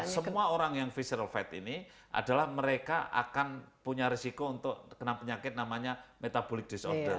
semua orang yang physical fat ini adalah mereka akan punya risiko untuk kena penyakit namanya metabolic disorder